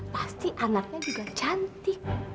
pasti anaknya juga cantik